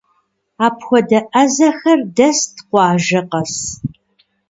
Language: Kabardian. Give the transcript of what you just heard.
Апхуэдэ ӏэзэхэр дэст къуажэ къэс.